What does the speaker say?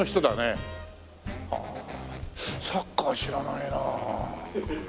はあサッカー知らないな。